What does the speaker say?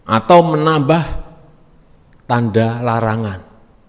atau menambah tanda larangan